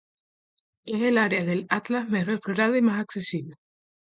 Es el área del Atlas mejor explorada y más accesible.